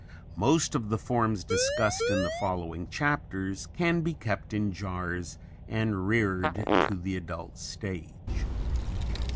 Most of the forms discussed in the following chapters can be kept in jars and reared to the adult stage.